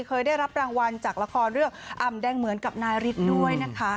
เคยได้รับรางวัลจากละครเรื่องอ่ำแดงเหมือนกับนายฤทธิ์ด้วยนะคะ